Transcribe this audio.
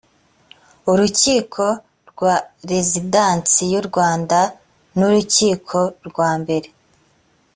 urukiko rwa rezidansi y u rwanda nurukiko rwa mbere